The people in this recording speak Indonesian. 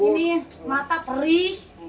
ini mata perih